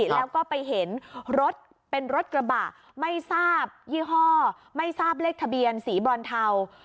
แล้วก็ไปเห็นรถเป็นรถกระบะไม่ทราบยี่ห้อไม่ทราบเลขทะเบียนสีบรอนเทา